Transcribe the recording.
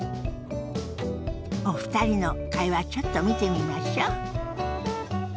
お二人の会話ちょっと見てみましょ。